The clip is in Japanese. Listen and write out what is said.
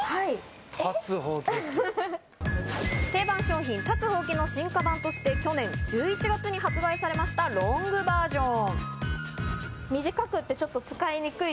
定番商品・立つほうきの進化版として、去年１１月に発売されましたロングバージョン。